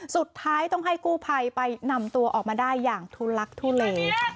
สุดท้ายต้องให้กู้ภัยไปนำตัวออกมาได้อย่างทุลักทุเล